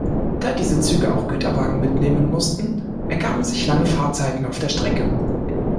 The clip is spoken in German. Da diese Züge auch Güterwagen mitnehmen mussten, ergaben sich lange Fahrzeiten auf der Strecke.